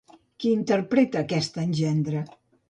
Qui interpreta aquest engendre?